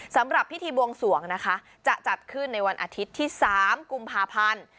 สำหรับพิธีบวงสวงนะคะจะจัดขึ้นในวันอาทิตย์ที่๓กุมภาพันธ์